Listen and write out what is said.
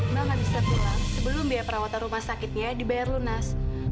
mbak nggak bisa pulang sebelum biaya perawatan rumah sakitnya dibayar lunas